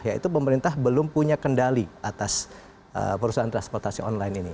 yaitu pemerintah belum punya kendali atas perusahaan transportasi online ini